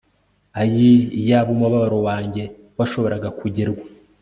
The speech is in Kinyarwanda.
Ayii iyaba umubabaro wanjyewashobora kugerwa